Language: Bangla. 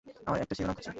আমি একটা শিরোনাম খুঁজছি।